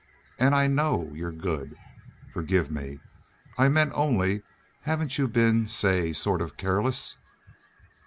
An' I KNOW you're good.... Forgive me.... I meant only hevn't you been, say, sort of careless?"